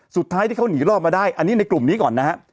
สุดท้ายที่เขาหนีรอดมาได้อันนี้ในกลุ่มนี้ก่อนนะฮะ